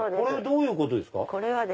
これどういうことですか？